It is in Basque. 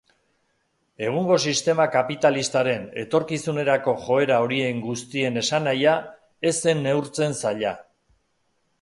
Egungo sistema kapitalistaren etorkizunerako joera horien guztien esanahia ez zen neurtzen zaila.